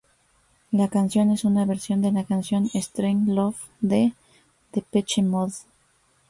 La canción es una versión de la canción 'Strangelove' de Depeche Mode.